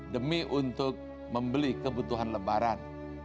demi untuk membeli kebutuhan lebaran